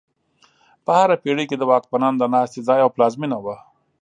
په هره پېړۍ کې د واکمنانو د ناستې ځای او پلازمینه وه.